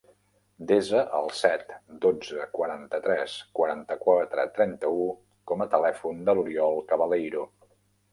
Desa el set, dotze, quaranta-tres, quaranta-quatre, trenta-u com a telèfon de l'Oriol Cabaleiro.